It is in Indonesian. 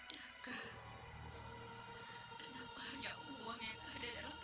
kenapa hanya uang yang ada dalam pikiranmu deh